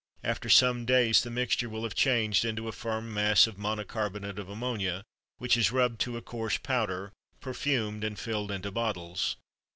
After some days the mixture will have changed into a firm mass of monocarbonate of ammonia which is rubbed to a coarse powder, perfumed, and filled into bottles.